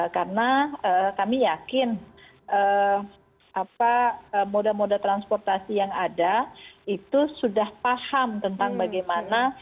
karena kami yakin moda moda transportasi yang ada itu sudah paham tentang bagaimana